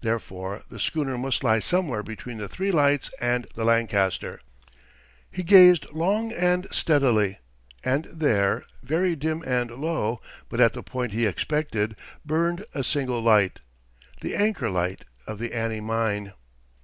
Therefore the schooner must lie somewhere between the three lights and the Lancaster. He gazed long and steadily, and there, very dim and low, but at the point he expected, burned a single light—the anchor light of the Annie Mine.